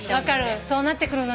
そうなってくるのね。